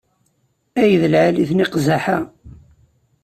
Ay d lɛali-ten iqzaḥ-a!